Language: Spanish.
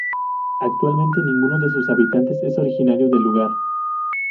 Actualmente ninguno de sus habitantes es originario del lugar.